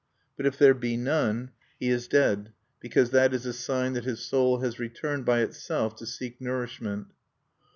But if there be none, he is dead, because that is a sign that his soul has returned by itself to seek nourishment.